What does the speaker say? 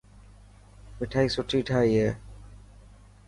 مٺائي سٺي ٺاهي هي.